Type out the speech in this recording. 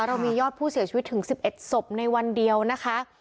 เรามียอดผู้เสียชีวิตถึง๑๑ศพในวันเดียวนะคะ